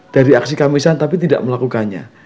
dari aksi kamisan tapi tidak melakukannya